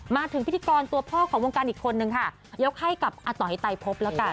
พิธีกรตัวพ่อของวงการอีกคนนึงค่ะยกให้กับอาต๋อยไตพบแล้วกัน